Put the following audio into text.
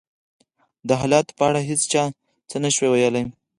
د حالاتو په اړه هېڅ چا څه نه شوای ویلای.